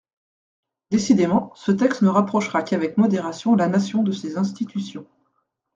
Décidément, ce texte ne rapprochera qu’avec modération la nation de ses institutions.